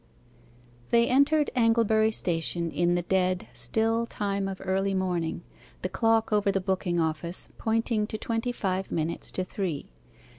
They entered Anglebury Station in the dead, still time of early morning, the clock over the booking office pointing to twenty five minutes to three.